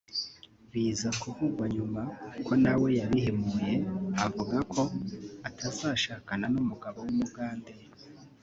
bisa kuvugwa nyuma ko nawe yabihimuye avuga ko atazashakana n’umugabo w’umugande